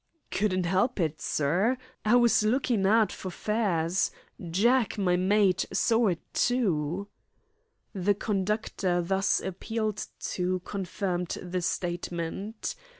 "Couldn't 'elp it, sir. I was lookin' aht for fares. Jack, my mate, sawr it too." The conductor thus appealed to confirmed the statement.